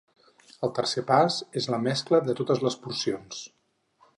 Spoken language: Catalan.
El tercer pas és la mescla de totes les porcions.